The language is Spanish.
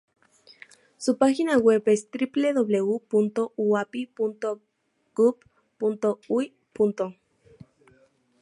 Su página web es www.uaip.gub.uy.